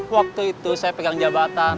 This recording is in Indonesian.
waktu itu saya pegang jabatan